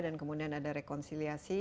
dan kemudian ada rekonsiliasi